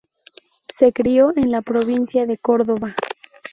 Se crio en la Provincia de Córdoba.